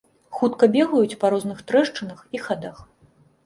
Хутка бегаюць па розных трэшчынах і хадах.